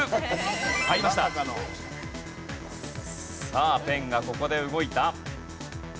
さあペンがここで動いた。